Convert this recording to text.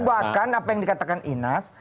bahkan apa yang dikatakan inas